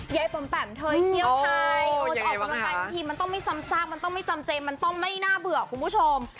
ยายปำแปำเธอเกียวไทยมันต้องไม่ซ้ำซากมันต้องไม่จำเจนมันต้องไม่น่าเบื่อคุณผู้ชม